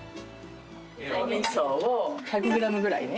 お味噌を１００グラムぐらいね。